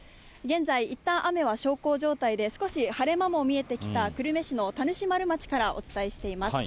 現在、いったん雨は小康状態で、少し晴れ間も見えてきた、久留米市の田主丸町からお伝えしています。